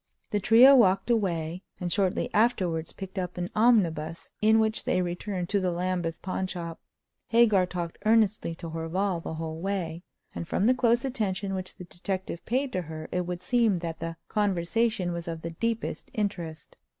The trio walked away, and shortly afterwards picked up an omnibus, in which they returned to the Lambeth pawnshop. Hagar talked earnestly to Horval the whole way; and from the close attention which the detective paid to her it would seem that the conversation was of the deepest interest.